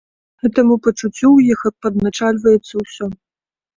Гэтаму пачуццю ў іх падначальваецца ўсё.